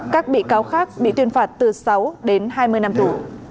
các bị cáo khác bị tuyên phạt từ sáu đến hai mươi năm tù